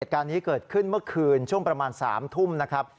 เหตุการณ์นี้เกิดขึ้นเมื่อคืนช่วงประมาณ๓ทุ่มนะครับ